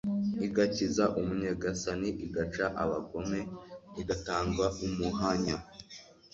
igakiza umunyagasani, igaca abagome, igatanga umuhanya.